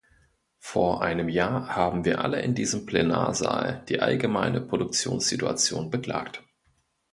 Vor einem Jahr haben wir alle in diesem Plenarsaal die allgemeine Produktionssituation beklagt.